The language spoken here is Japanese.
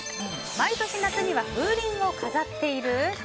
毎年夏には風鈴を飾っている？